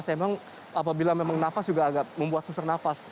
saya memang apabila memang nafas juga agak membuat sesak nafas